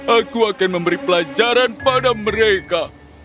aku akan memberi pelajaran pada mereka